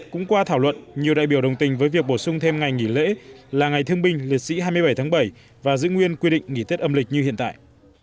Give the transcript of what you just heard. cũng qua thảo luận nhiều đại biểu đồng tình với việc bổ sung thêm ngày nghỉ lễ là ngày thương binh liệt sĩ hai mươi bảy tháng bảy và giữ nguyên quy định nghỉ tết âm lịch như hiện tại